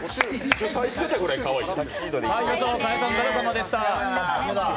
主宰してたくらいかわいい。